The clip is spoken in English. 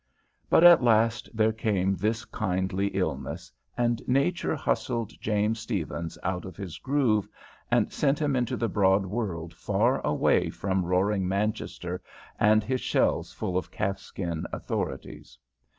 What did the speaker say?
But at last there came this kindly illness, and Nature hustled James Stephens out of his groove, and sent him into the broad world far away from roaring Manchester and his shelves full of calf skin authorities.